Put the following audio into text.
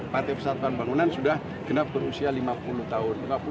partai persatuan bangunan sudah genap berusia lima puluh tahun